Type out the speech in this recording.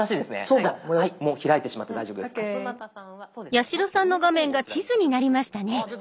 八代さんの画面が地図になりましたね。